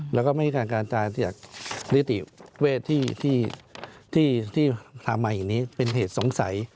แล้วก็ไม่ให้การการตายจากนิติเวทที่ทำมาอย่างนี้เป็นเหตุสงสัย